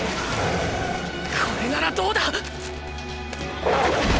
これならどうだ！